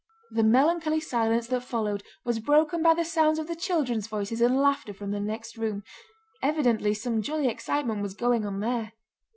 The melancholy silence that followed was broken by the sounds of the children's voices and laughter from the next room. Evidently some jolly excitement was going on there.